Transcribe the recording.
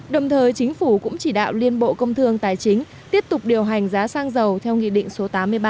đồng thời chính phủ cũng chỉ đạo liên bộ công thương tài chính tiếp tục điều hành giá xăng dầu theo nghị định số tám mươi ba